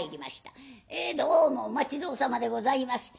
「えどうもお待ち遠さまでございます。